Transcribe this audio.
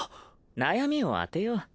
悩みを当てよう。